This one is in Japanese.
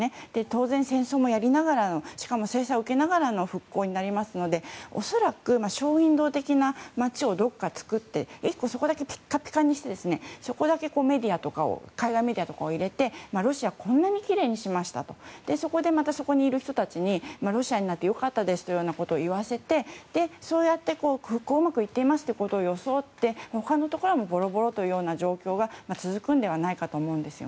当然、戦争もやりながらしかも制裁を受けながらの復興になるので恐らく、ショーウィンドー的な街をどこかに作って１個そこだけピカピカにしてそこだけ海外メディアとかを入れてロシアはこんなにきれいにしましたとそこにいる人たちにロシアになって良かったですということを言わせて、復興がうまくいっていることを装い他のところはボロボロという状況が続くのではないかと思います。